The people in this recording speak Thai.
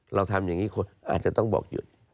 เราทำอย่างนี้คนอาจจะต้องบอกหยุด